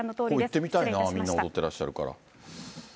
行ってみたいな、みんな踊ってらっしゃるから。